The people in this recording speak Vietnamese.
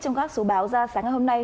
trong các số báo ra sáng ngày hôm nay